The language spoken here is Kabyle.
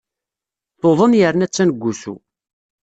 Tuḍen yerna attan deg wusu.